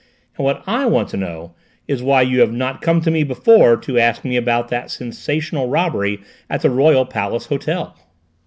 And what I want to know is why you have not come to me before to ask me about that sensational robbery at the Royal Palace Hotel?"